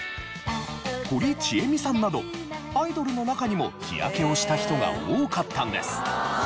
堀ちえみさんなどアイドルの中にも日焼けをした人が多かったんです。